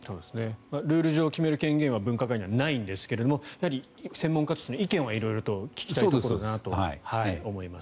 ルール上、決める権限は分科会にはないんですがやはり、専門家としての意見は色々聞きたいところだなと思います。